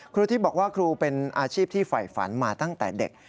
ครูทิพย์บอกว่าครูเป็นอาชีพที่ฝ่ายฝันมาตั้งแต่เด็ก